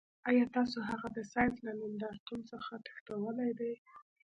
ایا تاسو هغه د ساینس له نندارتون څخه تښتولی دی